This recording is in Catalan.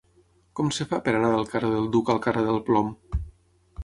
Com es fa per anar del carrer del Duc al carrer del Plom?